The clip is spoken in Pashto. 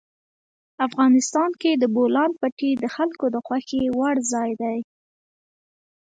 افغانستان کې د بولان پټي د خلکو د خوښې وړ ځای دی.